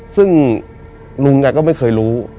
ซึ่งลุงแกก็ไม่เคยรู้